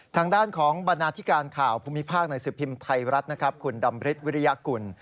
ทางด้านของบรรณาธิการข่าวภูมิภาคในสือพิมพ์ไทยรัฐคุณดำริสวิริยกุล